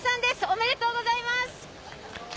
おめでとうございます。